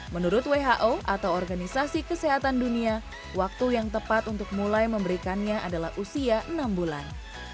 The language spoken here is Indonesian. menurut who atau organisasi kesehatan dunia waktu yang tepat untuk mulai memberikannya adalah usia enam bulan